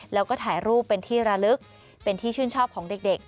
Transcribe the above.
แล้วก็ถ่ายรูปเป็นที่ระลึกเป็นที่ชื่นชอบของเด็ก